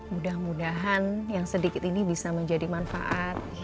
mudah mudahan yang sedikit ini bisa menjadi manfaat